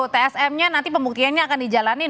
tsm nya nanti pembuktiannya akan di jalanin